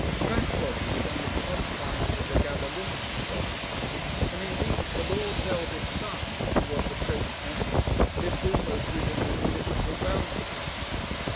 Strathbogy was on the confines of the Gaberlunzie property; and indeed the lord's eldest son, who was the present member, lived almost within the municipal boundary.